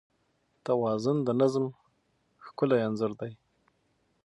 توازن د نظم ښکلی انځور دی.